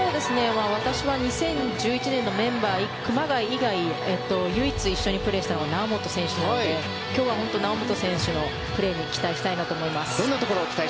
私は２０１１年のメンバー熊谷以外唯一、一緒にプレーしたのが猶本選手なので今日は本当に猶本選手のプレーに期待したいと思います。